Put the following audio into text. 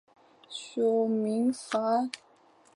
剑桥大学基督学院是剑桥大学的一所学院。